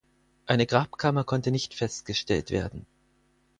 Eine Grabkammer konnte nicht festgestellt werden.